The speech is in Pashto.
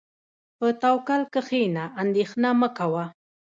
په توکل کښېنه، اندېښنه مه کوه.